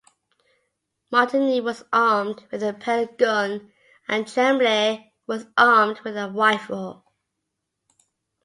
Martineau was armed with a pellet gun and Tremblay was armed with a rifle.